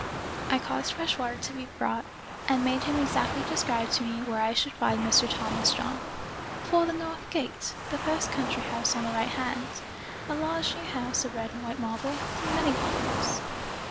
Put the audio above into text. I caused fresh water to be brought and made him exactly describe to me where I should find Mr. Thomas John. " Before the north gate ; the first country house on the right hand ; a large new house of red and white marble, with many columns."